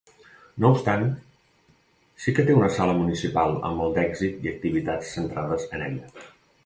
No obstant, sí que té una sala municipal amb molt d'èxit i activitats centrades en ella.